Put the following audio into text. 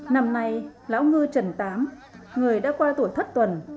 năm nay lão ngư trần tám người đã qua tuổi thất tuần